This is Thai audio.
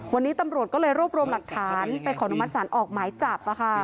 วันนี้ตำรวจก็เลยรวบรวมหลักฐานไปขอนุมัติศาลออกหมายจับ